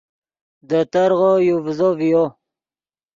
دے ترغو یو ڤیزو ڤیو